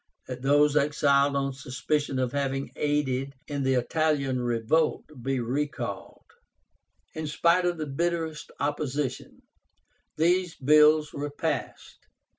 That those exiled on suspicion of having aided in the Italian revolt be recalled. In spite of the bitterest opposition, these bills were passed.